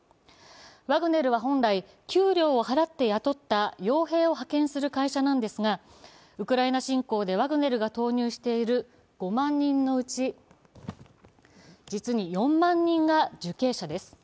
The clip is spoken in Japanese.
ワグネルは本来、給料を払って雇った傭兵を派遣する会社ですがウクライナ侵攻でワグネルが投入している５万人のうち実に４万人が受刑者です。